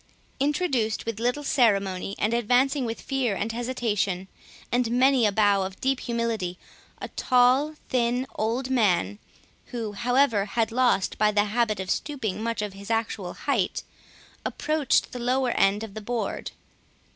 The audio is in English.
Introduced with little ceremony, and advancing with fear and hesitation, and many a bow of deep humility, a tall thin old man, who, however, had lost by the habit of stooping much of his actual height, approached the lower end of the board.